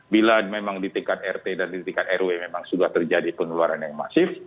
bila memang di tingkat rt dan di tingkat rw memang sudah terjadi penularan yang masif